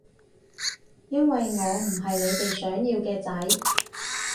因為我唔係你哋想要嘅仔